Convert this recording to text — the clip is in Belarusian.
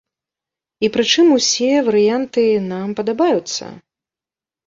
І пры чым усе варыянты нам падабаюцца.